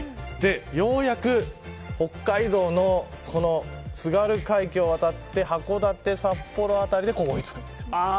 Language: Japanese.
ようやく北海道の津軽海峡を渡って函館、札幌辺りで追い付くんです。